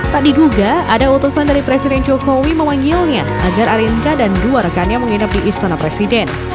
tak diduga ada utusan dari presiden jokowi memanggilnya agar arinka dan dua rekannya menginap di istana presiden